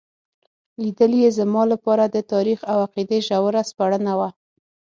لیدل یې زما لپاره د تاریخ او عقیدې ژوره سپړنه وه.